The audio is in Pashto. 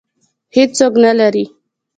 هېڅوک نه لري